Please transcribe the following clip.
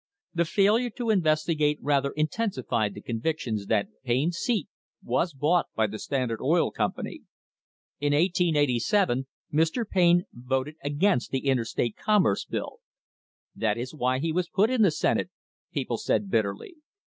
The failure to investigate rather intensified the convictions that Payne's seat was bought by the Standard Oil Company. In 1887 Mr. Payne vo'ted against the Interstate Commerce Bill. "That is why he was put in the Senate," people said bitterly.